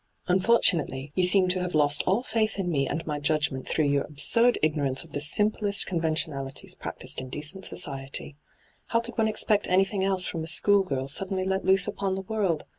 Unfortunately, you seem to have lost all faith in me and my judgment through your absurd ignorance of the simplest convention .^hyGoo>^lc 152 ENTRAPPED alities practised in decent society. How could one expect anything else from a school girl suddenly let loose upon the world